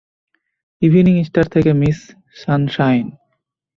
Evening star থেকে Miss Sunshine.